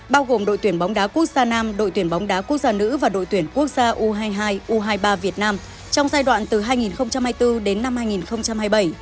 bao gồm đội tuyển bóng đá quốc gia nam đội tuyển bóng đá quốc gia nữ và đội tuyển quốc gia u hai mươi hai u hai mươi ba việt nam trong giai đoạn từ hai nghìn hai mươi bốn đến năm hai nghìn hai mươi bảy